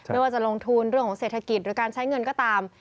ไม่ว่าจะลงทุนเรื่องของเศรษฐกิจหรือการใช้เงินก็ตาม